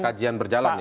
kajian berjalan ya